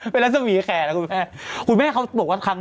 พี่มดตัวเล็กจริง